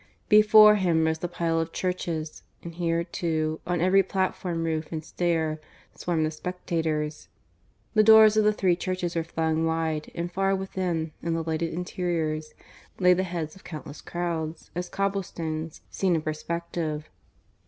Before him rose the pile of churches, and here too, on every platform roof and stair, swarmed the spectators. The doors of the three churches were flung wide, and far within, in the lighted interiors, lay the heads of countless crowds, as cobble stones, seen in perspective.